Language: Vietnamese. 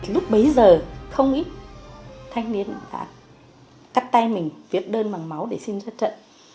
lúc bấy giờ không ít thanh niên đã cắt tay mình viết đơn bằng máu để xin giất trận